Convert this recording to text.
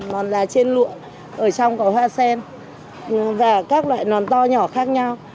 nón da trên lụa ở trong có hoa sen và các loại nón to nhỏ khác nhau